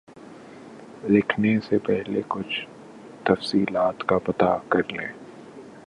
لکھنے سے پہلے کچھ تفصیلات کا پتہ کر لیں